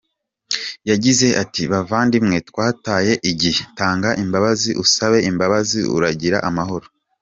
Yagize ati “Bavandimwe twataye igihe, tanga imbabazi usabe imbabazi uragira amahoro.